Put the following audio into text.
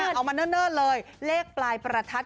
เอามาเนิ่นเลยเลขปลายประทัด